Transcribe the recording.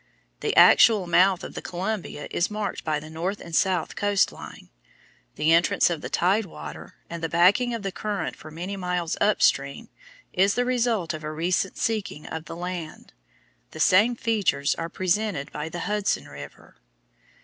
The actual mouth of the Columbia is marked by the north and south coast line. The entrance of the tide water, and the backing of the current for many miles up stream, is the result of a recent sinking of the land. The same features are presented by the Hudson River.